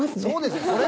そうですよ。